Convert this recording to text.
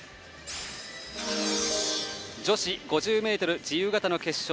女子５０ｍ自由形の決勝。